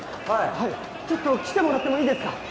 はいちょっと来てもらってもいいですか？